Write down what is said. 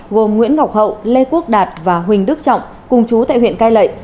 gồm nguyễn ngọc hậu lê quốc đạt và huỳnh đức trọng cùng chú tại huyện cai lệ